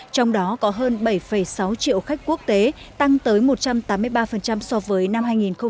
trong đó có hơn bảy sáu triệu khách quốc tế tăng tới một trăm tám mươi ba so với năm hai nghìn một mươi tám